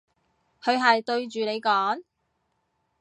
佢係對住你講？